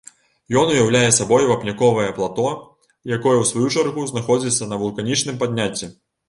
Ён уяўляе сабою вапняковае плато, якое ў сваю чаргу знаходзіцца на вулканічным падняцці.